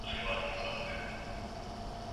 آیا مایکروسکوپ تر ذره بین پیاوړی دی؟